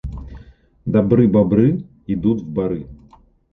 Добры бобры идут в боры.